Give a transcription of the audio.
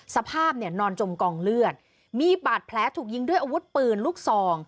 สภาพเนี่ยนอนจมกองเลือดมีบาดแผลถูกยิงด้วยอาวุธปืนลูกซอง